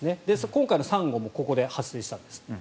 今回の３号もここで発生したんです。